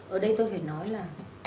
ở đây tôi phải nói là